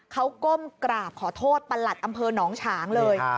เขาก้มกราบขอโทษประหลัดอำเภอหนองฉางเลย